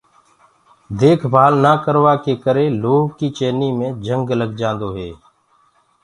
ديک ڀآل نآ ڪروآ ڪي ڪرآ لوه ڪي چيجينٚ مي جنگ لگدو هي۔